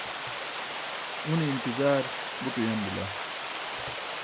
une intizaar buṭ uyam bila